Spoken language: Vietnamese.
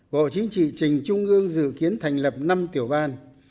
bộ chính trị trình trung ương dự kiến thành lập năm tiểu ban